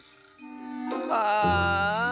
ああ。